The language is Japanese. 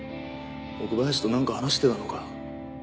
奥林と何か話してたのか？